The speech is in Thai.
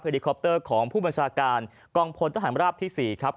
ลิคอปเตอร์ของผู้บัญชาการกองพลทหารราบที่๔ครับ